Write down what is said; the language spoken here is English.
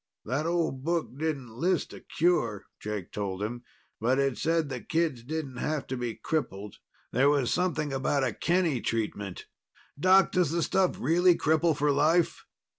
"That old book didn't list a cure," Jake told him. "But it said the kids didn't have to be crippled. There was something about a Kenny treatment. Doc, does the stuff really cripple for life?"